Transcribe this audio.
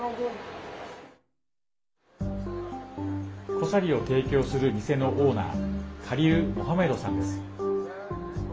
コシャリを提供する店のオーナーカリル・モハメドさんです。